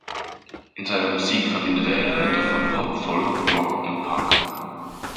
In seiner Musik verbindet er Elemente von Pop, Folk, Rock und Punk.